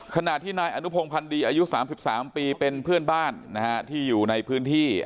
ขณะที่นายอนุพงพันธ์ดีอายุ๓๓ปีเป็นเพื่อนบ้านที่อยู่ในพื้นที่